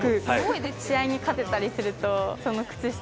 試合に勝てたりすると、その靴下。